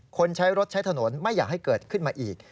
ใช้รถใช้ถนนไม่อยากให้เกิดขึ้นมาอีก